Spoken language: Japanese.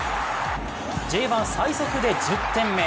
Ｊ１最速で１０点目。